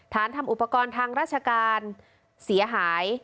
ทำอุปกรณ์ทางราชการเสียหาย